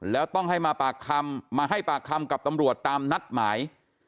แล้วต้องให้มาปากคำมาให้ปากคำกับตำรวจตามนัดหมาย